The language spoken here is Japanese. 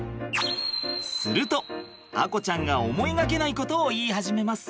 すると亜瑚ちゃんが思いがけないことを言い始めます。